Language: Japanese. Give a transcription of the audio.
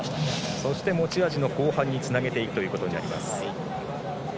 そして持ち味の後半につなげていくということになります。